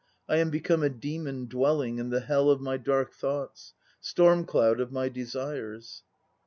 I am become a demon dwelling In the hell of my dark thoughts, Storm cloud of my desires.